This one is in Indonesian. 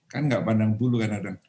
kan nggak pandang bulu kadang kadang